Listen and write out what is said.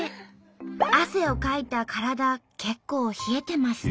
汗をかいた体結構冷えてますね。